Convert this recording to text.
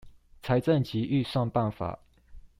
財政及預算辦法